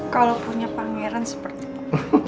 kalau punya pangeran seperti papa